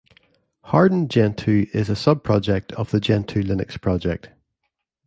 Hardened Gentoo is a sub-project of the Gentoo Linux project.